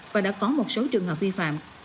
và đã có một số trường hợp vi phạm